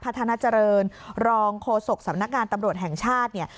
พธนเจริญรองโฆษกษบิ่งสำนักงานตำรวจแห่งชาติ